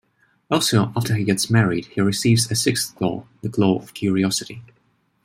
Also, after he gets married, he receives a sixth claw, the claw of curiosity.